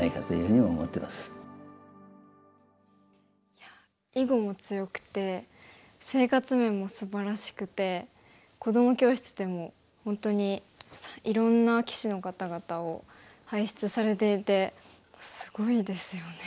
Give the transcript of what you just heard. いや囲碁も強くて生活面もすばらしくて子ども教室でも本当にいろんな棋士の方々を輩出されていてすごいですよね。